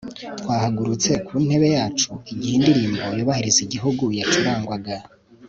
twahagurutse ku ntebe zacu igihe indirimbo yubahiriza igihugu yacurangwaga